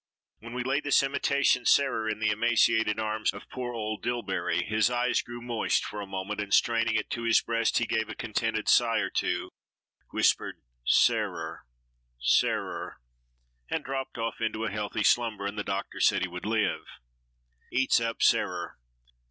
When we laid this imitation "Sarer" in the emaciated arms of poor old Dillbery, his eyes grew moist for a moment, and straining it to his breast he gave a contented sigh or two, whispered "Sarer, Sarer," and dropped off into a healthy slumber, and the doctor said he would live. EATS UP "SARER."